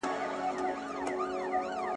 دغه څه د غم دنيا ده